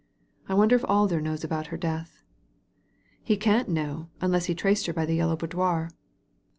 "I wonder if Alder knows about her death." ''He can't know, unless he traced her by the Yellow Boudoir."